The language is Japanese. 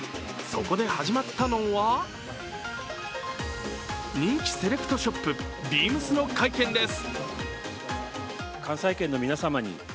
そこで始まったのは人気セレクトショップ・ＢＥＡＭＳの会見です。